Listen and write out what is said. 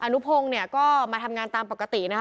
นุพงศ์เนี่ยก็มาทำงานตามปกตินะคะ